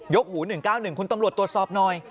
หู๑๙๑คุณตำรวจตรวจสอบหน่อย